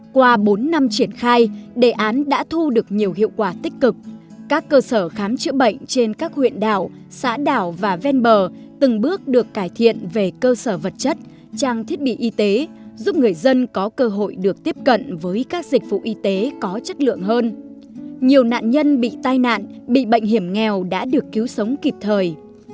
qua bốn năm triển khai đề án đã thu được nhiều hiệu quả tích cực các cơ sở khám chữa bệnh trên các huyện đảo xã đảo và ven bờ từng bước được cải thiện về cơ sở vật chất trang thiết bị y tế giúp người dân có cơ hội được tiếp cận với các dịch vụ y tế có chất lượng hơn nhiều nạn nhân bị tai nạn bị bệnh hiểm nghèo đã được cứu sống kịp thời